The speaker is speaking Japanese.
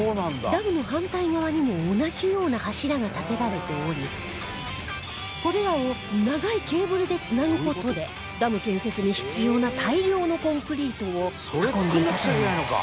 ダムの反対側にも同じような柱が建てられておりこれらを長いケーブルで繋ぐ事でダム建設に必要な大量のコンクリートを運んでいたといいます